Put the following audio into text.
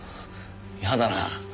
嫌だな。